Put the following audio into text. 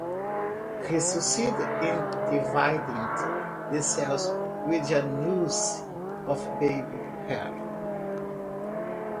He succeeded in dividing the cells with a noose of baby hair.